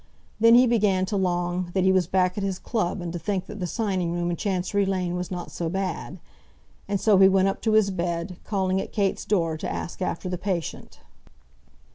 Then he began to long that he was back at his club, and to think that the signing room in Chancery Lane was not so bad. And so he went up to his bed, calling at Kate's door to ask after the patient.